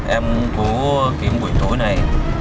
em cố kiếm buổi tối này